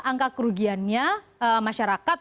angka kerugiannya masyarakat